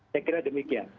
saya kira demikian